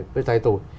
với tay tôi